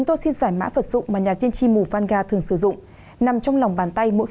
tiên tri mù vanga nắm trong lòng bàn tay